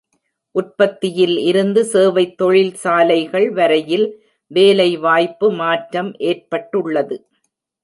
உற்பத்தியில் இருந்து சேவைத் தொழில்சாலைகள் வரையில் வேலைவாய்ப்பு மாற்றம் ஏற்பட்டுள்ளது.